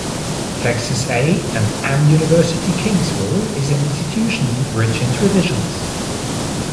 Texas A and M University-Kingsville is an institution rich in traditions.